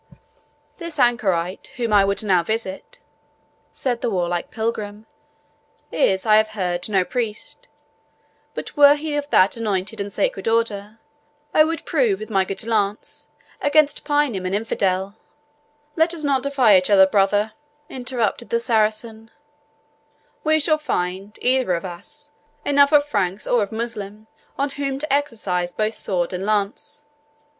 "The anchorite whom I would now visit," said the warlike pilgrim, "is, I have heard, no priest; but were he of that anointed and sacred order, I would prove with my good lance, against paynim and infidel " "Let us not defy each other, brother," interrupted the Saracen; "we shall find, either of us, enough of Franks or of Moslemah on whom to exercise both sword and lance.